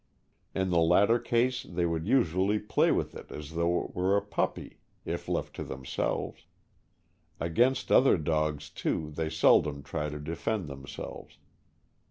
In the latter case they would usually play with it as though it were a puppy, if left to themselves: Against other dogs, too, they seldom try to defend themselves.